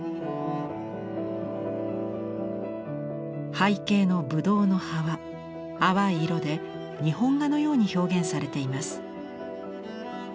背景のブドウの葉は淡い色で日本画のように表現されています。